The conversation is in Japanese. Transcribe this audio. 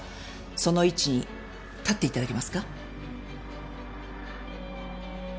その位置に立って頂けますか？